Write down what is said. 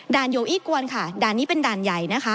โยอี้กวนค่ะด่านนี้เป็นด่านใหญ่นะคะ